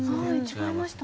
違いました。